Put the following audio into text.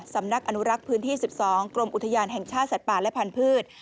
สำนักอนุรักษ์พื้นที่๑๒กรมอุทยานแห่งชาติสัตว์ป่าและพันธุ์